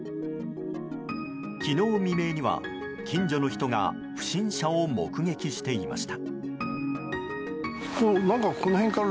昨日未明には、近所の人が不審者を目撃していました。